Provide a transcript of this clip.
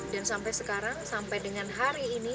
dan sampai sekarang sampai dengan hari ini